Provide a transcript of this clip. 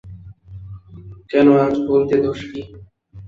কেন, আজ বলতে দোষ কী?